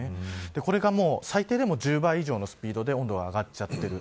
これが最低でも１０倍以上のスピードで温度が上がってしまっている。